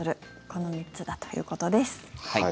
この３つだということです。